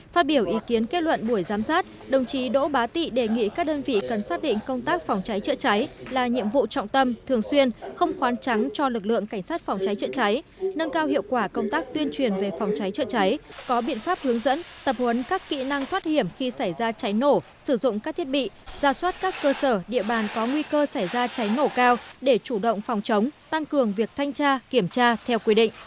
phát biểu ý kiến kết luận buổi giám sát đồng chí đỗ bá tị đề nghị các đơn vị cần xác định công tác phòng cháy trợ cháy là nhiệm vụ trọng tâm thường xuyên không khoan trắng cho lực lượng cảnh sát phòng cháy trợ cháy nâng cao hiệu quả công tác tuyên truyền về phòng cháy trợ cháy có biện pháp hướng dẫn tập huấn các kỹ năng phát hiểm khi xảy ra cháy nổ sử dụng các thiết bị gia soát các cơ sở địa bàn có nguy cơ xảy ra cháy nổ cao để chủ động phòng chống tăng cường việc thanh tra kiểm tra theo